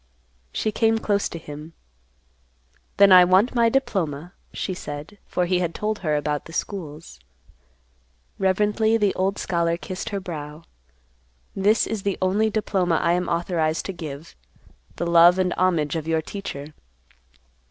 She came close to him, "Then I want my diploma," she said, for he had told her about the schools. Reverently the old scholar kissed her brow. "This is the only diploma I am authorized to give—the love and homage of your teacher."